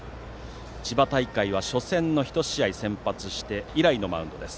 千葉大会は初戦の１試合先発して以来のマウンドです。